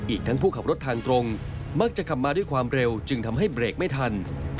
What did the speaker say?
อีกทั้งผู้ขับรถทางตรงมักจะขับมาด้วยความเร็วจึงทำให้เบรกไม่ทัน